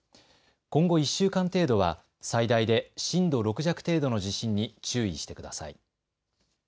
今後１週間程度は最大で震度６弱程度の地震に注意してください。